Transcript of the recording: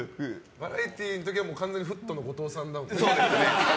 バラエティーの時は完全にフットの後藤さんだよね。